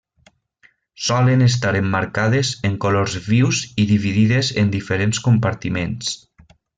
Solen estar emmarcades en colors vius i dividides en diferents compartiments.